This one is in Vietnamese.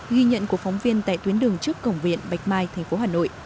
ghi nhận của phóng viên tại tuyến đường trước cổng viện bạch mai tp hà nội